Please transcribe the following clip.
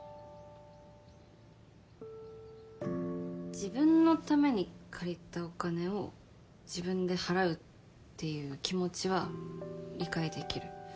自分のために借りたお金を自分で払うっていう気持ちは理解できる。